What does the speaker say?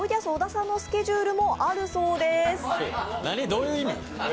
どういう意味？